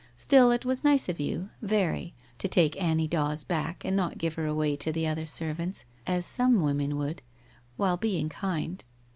Still, it was nice of you, very, to take Annie Dawes back and not give her away to the other servants, as some women would, while being kind.